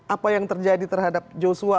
apa yang terjadi terhadap joshua